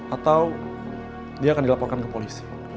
atau dia akan dilaporkan ke polisi